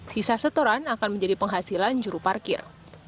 sisa setoran akan menjadi penghasilan juru parkir